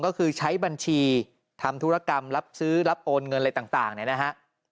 ก็คือใช้บัญชีทำธุรกรรมรับซื้อรับโอนเงินอะไรต่างเนี่ยนะฮะ